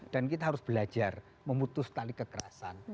dan kita harus belajar memutus tali kekerasan